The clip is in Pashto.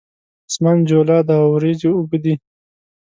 اسمان جولا دی اوریځې اوبدي